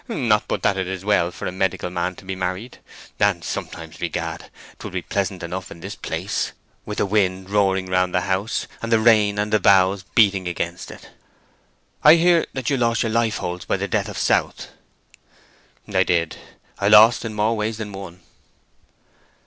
Not but that it is well for a medical man to be married, and sometimes, begad, 'twould be pleasant enough in this place, with the wind roaring round the house, and the rain and the boughs beating against it. I hear that you lost your life holds by the death of South?" "I did. I lost in more ways than one."